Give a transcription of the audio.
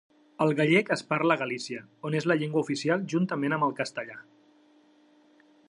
El gallec es parla a Galícia, on és la llengua oficial juntament amb el castellà.